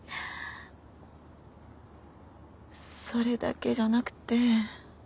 それだけじゃなくて。